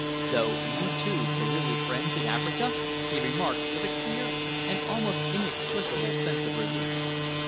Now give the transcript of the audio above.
"So you two were really friends in Africa?" he remarked, with a queer and almost inexplicable sense of relief.